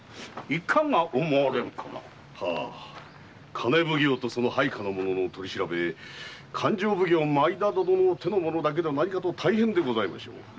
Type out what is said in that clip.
金奉行とその配下の者の取り調べ勘定奉行・前田殿の手の者だけでは何かと大変でございましょう。